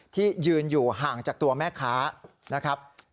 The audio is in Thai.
ที่ยืนอยู่ห่างจากตัวแม่ค้านะครับ